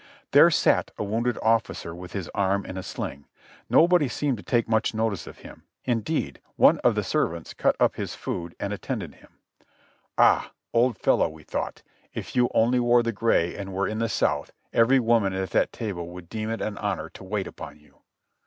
There sat a wounded officer with his arm in a sling; nobody seemed to take much notice of him ; indeed, one of the ser vants cut up his food and attended him. "Ah, old fellow," we PRISON LIFE AT FORT WARREN 213 thought, "if you only wore the gray and were in the South, every woman at that table would deem it an honor to wait upon you."